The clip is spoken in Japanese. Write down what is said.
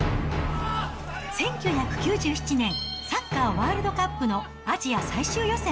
１９９７年、サッカーワールドカップのアジア最終予選。